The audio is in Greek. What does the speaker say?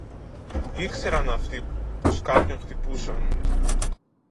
Ήξεραν αυτοί πως κάποιον χτύπησαν